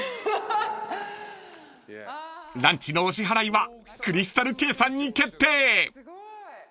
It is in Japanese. ［ランチのお支払いはクリスタルケイさんに決定］